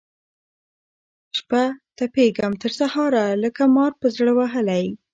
شپه تپېږم تر سهاره لکه مار پر زړه وهلی